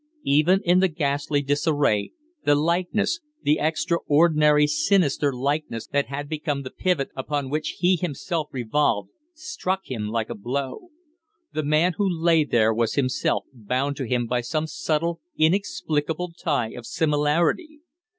Even in the ghastly disarray, the likeness the extraordinary, sinister likeness that had become the pivot upon which he himself revolved struck him like a blow. The man who lay there was himself bound to him by some subtle, inexplicable tie of similarity.